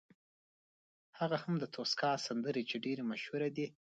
هغه هم د توسکا سندرې چې ډېرې مشهورې دي.